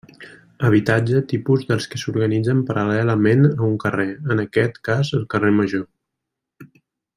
Habitatge tipus dels que s'organitzen paral·lelament a un carrer, en aquest cas el carrer Major.